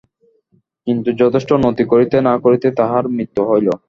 কিন্তু যথেষ্ট উন্নতি করিতে না করিতেই তাহার মৃত্যু হইল।